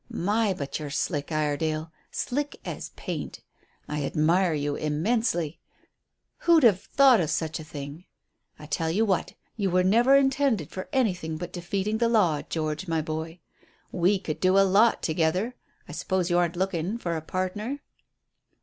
My, but you're slick, Iredale; slick as paint. I admire you immensely. Who'd have thought of such a thing? I tell you what, you were never intended for anything but defeating the law, George, my boy. We could do a lot together. I suppose you aren't looking for a partner?"